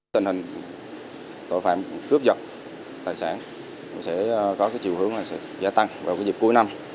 tình hình tội phạm cướp giật tài sản sẽ có chiều hướng giả tăng vào dịp cuối năm